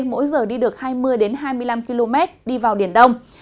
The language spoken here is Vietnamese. mỗi giờ đi được hai mươi hai mươi năm km đi vào biển đông